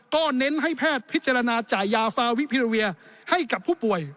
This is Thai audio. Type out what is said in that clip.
ก็เน้นให้แพทย์พิจารณาจ่ายยาฟาวิพิราเวียให้กับผู้ป่วย